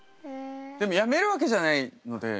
でもやめるわけじゃないので。